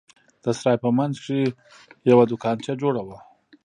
د سراى په منځ کښې يوه دوکانچه جوړه وه.